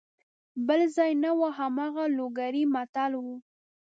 بل ځای نه وو هماغه لوګری متل وو.